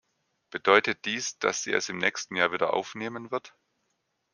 Bedeutet dies, dass sie es im nächsten Jahr wieder aufnehmen wird?